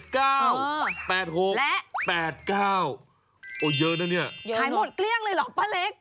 ขายหมดเกลี้ยงเลยหรอป้าเล็ก